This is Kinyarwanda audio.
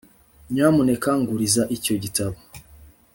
nyamuneka nguriza icyo gitabo